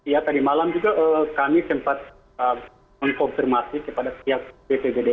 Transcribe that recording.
ya tadi malam juga kami sempat mengkonfirmasi kepada pihak bpbd